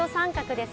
です